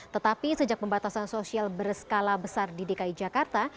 tetapi sejak pembatasan sosial berskala besar di dki jakarta